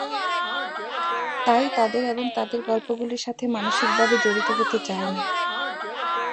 তাই তাদের এবং তাদের গল্পগুলির সাথে মানসিকভাবে জড়িত হতে চায় না।